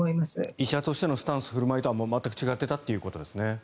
医者としてのスタンス、振る舞いとは全く違っていたということですね。